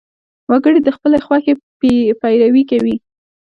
وګړي د خپلې خوښې پیروي کوي.